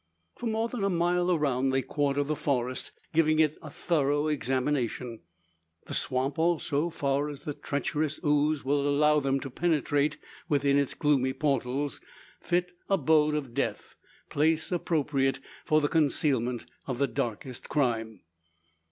For more than a mile around they quarter the forest, giving it thorough examination. The swamp also, far as the treacherous ooze will allow them to penetrate within its gloomy portals fit abode of death place appropriate for the concealment of darkest crime.